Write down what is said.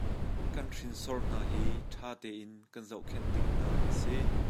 Kan hrinsor hna hi ṭhatein kan zohkhenh ding hna an si.